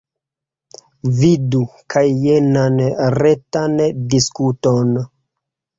Vidu kaj jenan retan diskuton.